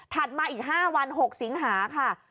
มาอีก๕วัน๖สิงหาค่ะ